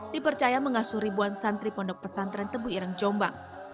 dipercaya mengasuh ribuan santri pondok pesantren tebuirang jombang